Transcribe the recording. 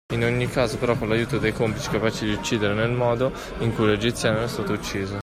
In ogni caso però con l’aiuto di complici capaci di uccidere nel modo in cui l’egiziano era stato ucciso